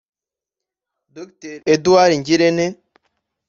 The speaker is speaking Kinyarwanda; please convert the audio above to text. Dr Edouard Ngirente